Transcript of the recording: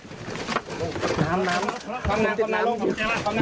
เดี๋ยวดูภาพตรงนี้หน่อยนะฮะเพราะว่าทีมขาวของเราไปกับชุดที่ไปเจอตัวในแหบแล้วจับได้พอดีเลยนะฮะ